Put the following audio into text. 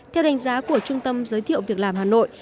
theo đánh giá của trung tâm giới thiệu việc làm hà nội